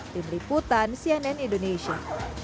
tim liputan cnn indonesia